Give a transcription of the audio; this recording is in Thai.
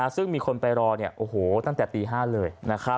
ซึ่งมีคนไปรอตั้งแต่ตี๕เลย